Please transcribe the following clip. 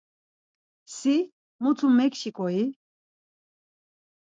Si mutu mekçiǩo-i?